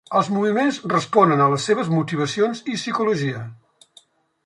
Els moviments responen a les seves motivacions i psicologia.